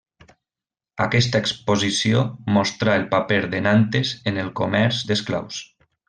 Aquesta exposició mostrà el paper de Nantes en el comerç d'esclaus.